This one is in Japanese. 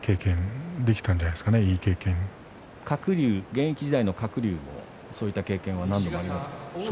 現役時代の鶴竜もそういった経験は何度かありますか？